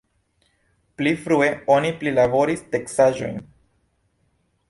Pli frue oni prilaboris teksaĵojn.